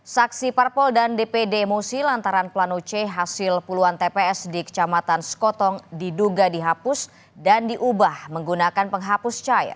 saksi parpol dan dpd emosi lantaran plano c hasil puluhan tps di kecamatan sekotong diduga dihapus dan diubah menggunakan penghapus cair